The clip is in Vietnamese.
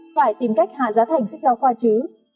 phải tìm cách hạ giá thành sách giáo khoa chứ